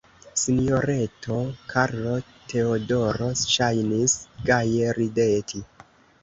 Sinjoreto Karlo-Teodoro ŝajnis gaje rideti.